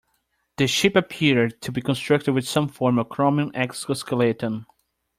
The ship appeared to be constructed with some form of chromium exoskeleton.